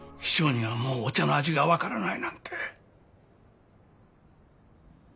師匠にはもうお茶の味がわからないなんて。